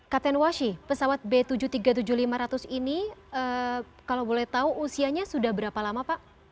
kapten washi pesawat b tujuh ratus tiga puluh tujuh lima ratus ini kalau boleh tahu usianya sudah berapa lama pak